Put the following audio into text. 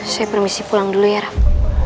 saya permisi pulang dulu ya raff